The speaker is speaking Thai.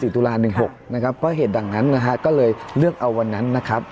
เพราะเหตุดังนั้นก็เลยเลือกเอาวันนั้นนะครับ